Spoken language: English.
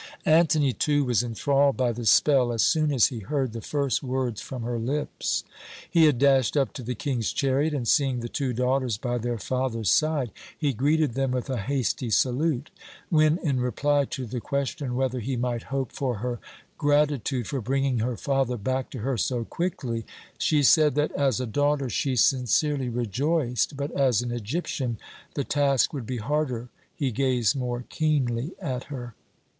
"Antony, too, was enthralled by the spell as soon as he heard the first words from her lips. He had dashed up to the King's chariot, and seeing the two daughters by their father's side, he greeted them with a hasty salute. When, in reply to the question whether he might hope for her gratitude for bringing her father back to her so quickly, she said that as a daughter she sincerely rejoiced, but as an Egyptian the task would be harder, he gazed more keenly at her.